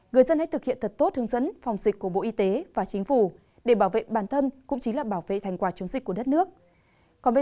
người dân hãy thực hiện thật tốt hướng dẫn phòng dịch của bộ y tế và chính phủ để bảo vệ bản thân cũng chính là bảo vệ thành quả chống dịch của đất nước